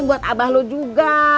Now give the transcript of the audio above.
buat abah lo juga